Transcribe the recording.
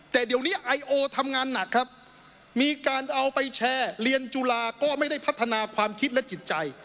แต่เดี๋ยวนี้ไอโอทำงานหนักครับมีการเอาไปแชร์เรียนจุฬาก็ไม่ได้พัฒนาความคิดและจิตใจ